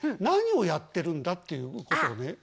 「何をやってるんだ？」っていうことをね。